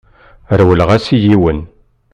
Rewleɣ-as i yiwen.